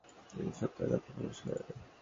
প্রতিদিন সত্তর হাজার ফেরেশতা তাতে প্রবেশ করেন।